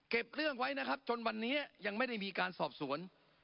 เรื่องไว้นะครับจนวันนี้ยังไม่ได้มีการสอบสวน